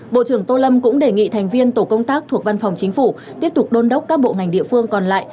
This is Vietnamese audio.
bộ trưởng tô lâm cũng đề nghị thành viên tổ công tác thuộc văn phòng chính phủ tiếp tục đôn đốc các bộ ngành địa phương còn lại